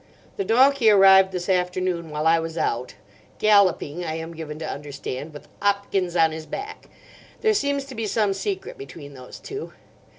"The donkey arrived this afternoon while I was out—galloping, I am given to understand, with 'Opkins on his back. There seems to be some secret between those two.